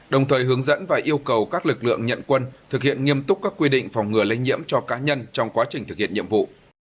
đồng thời hướng dẫn và yêu cầu các lực lượng nhận quân thực hiện nghiêm túc các quy định phòng ngừa lây nhiễm cho cá nhân trong quá trình thực hiện nhiệm vụ